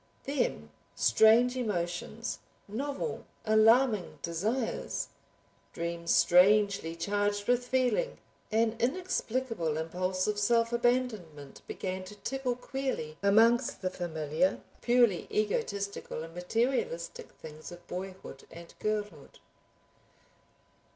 Then strange emotions, novel alarming desires, dreams strangely charged with feeling; an inexplicable impulse of self abandonment began to tickle queerly amongst the familiar purely egotistical and materialistic things of boyhood and girlhood.